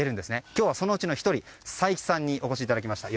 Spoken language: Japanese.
今日は、そのうちの１人齊木さんにお越しいただきました。